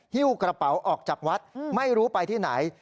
ฮิ้วกระเป๋าออกจากวัดไม่รู้ไปที่ไหน